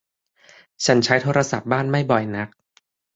ฉันใช้โทรศัพท์บ้านไม่บ่อยนัก